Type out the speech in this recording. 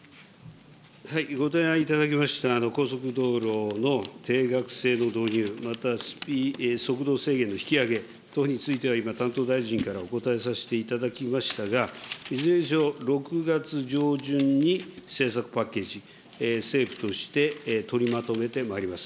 ご提案いただきました高速道路の定額制の導入、また速度制限の引き上げ等について、今、担当大臣からお答えさせていただきましたが、いずれにせよ、６月上旬に政策パッケージ、政府として取りまとめてまいります。